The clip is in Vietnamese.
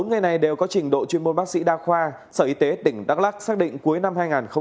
bốn người này đều có trình độ chuyên môn bác sĩ đa khoa sở y tế tỉnh đắk lắc xác định cuối năm hai nghìn một mươi chín